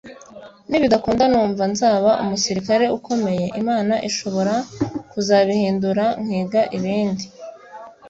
nibidakunda numva nzaba umusirikare ukomeye […] Imana ishobora kuzabihindura nkiga ibindi